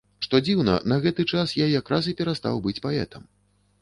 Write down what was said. Што дзіўна, на гэты час я якраз і перастаў быць паэтам.